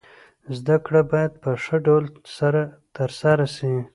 زده کړه باید په ښه ډول سره تر سره سي.